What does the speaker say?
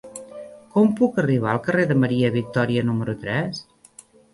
Com puc arribar al carrer de Maria Victòria número tres?